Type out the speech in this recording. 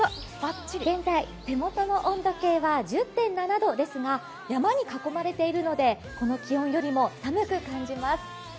現在、手元の温度計は１０．７度ですが山に囲まれているのでこの気温よりも寒く感じます。